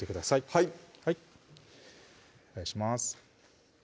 はいお願いします